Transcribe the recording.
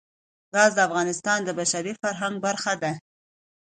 ګاز د افغانستان د بشري فرهنګ برخه ده.